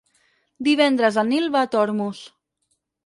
Divendres en Nil va a Tormos.